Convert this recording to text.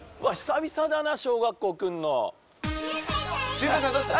シュウペイさんどうした？